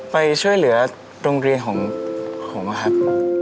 ไปช่วยเหลือโรงเรียนของผมครับ